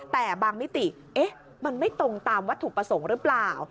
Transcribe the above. แต่บางมิติมันไม่ตรงตามวัตถุประสงค์หรือเปล่า